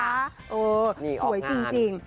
สวยจริง